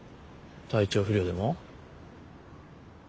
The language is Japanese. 体調不良でも？